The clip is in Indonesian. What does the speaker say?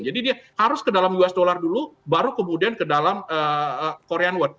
jadi dia harus ke dalam us dollar dulu baru kemudian ke dalam korean won